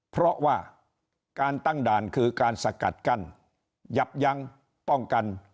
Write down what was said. เพราะว่าการตั้งด่านคือการสกัดกั้นหยับยั้งป้องกัน